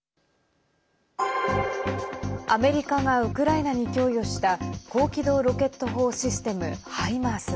アメリカがウクライナに供与した高機動ロケット砲システム「ハイマース」。